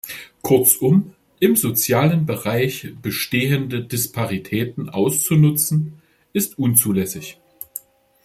Kurzum, im sozialen Bereich bestehende Disparitäten auszunutzen, ist unzulässig.